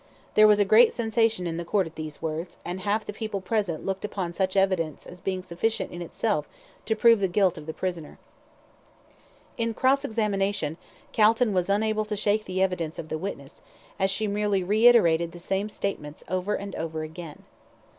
There was a great sensation in the court at these words, and half the people present looked upon such evidence as being sufficient in itself to prove the guilt of the prisoner. In cross examination, Calton was unable to shake the evidence of the witness, as she merely reiterated the same statements over and over again.